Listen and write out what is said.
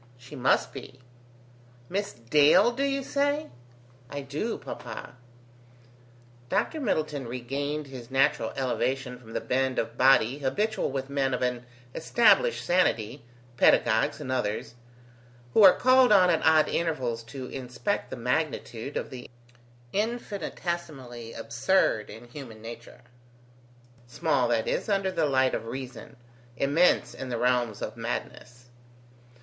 "She must be." "Miss Dale, do you say?" "I do, Papa." Dr Middleton regained his natural elevation from the bend of body habitual with men of an established sanity, paedagogues and others, who are called on at odd intervals to inspect the magnitude of the infinitesimally absurd in human nature: small, that is, under the light of reason, immense in the realms of madness.